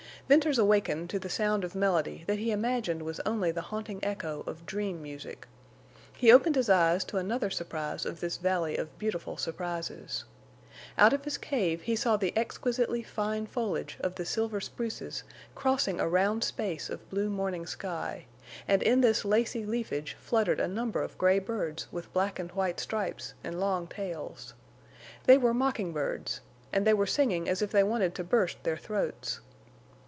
Venters awakened to the sound of melody that he imagined was only the haunting echo of dream music. He opened his eyes to another surprise of this valley of beautiful surprises. Out of his cave he saw the exquisitely fine foliage of the silver spruces crossing a round space of blue morning sky; and in this lacy leafage fluttered a number of gray birds with black and white stripes and long tails. They were mocking birds, and they were singing as if they wanted to burst their throats.